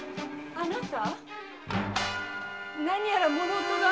あなた！